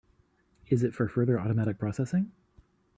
Is it for further automatic processing?